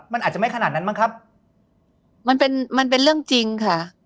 มันอาจจะไม่ขนาดนั้นมั้งครับมันเป็นมันเป็นเรื่องจริงค่ะ